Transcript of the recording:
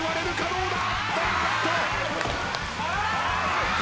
どうだ！？